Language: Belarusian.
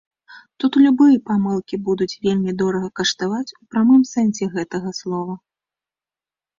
Тут любыя памылкі будуць вельмі дорага каштаваць у прамым сэнсе гэтага слова.